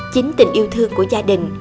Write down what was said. chính tình yêu thương của gia đình